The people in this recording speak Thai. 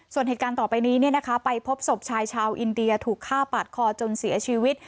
ส่วนเหตุการณ์ต่อไปนี้ไปพบศพชายชาวอินเดียถูกฆ่าปาดคอจนเสียชีวิต